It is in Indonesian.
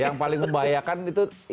yang paling membahayakan itu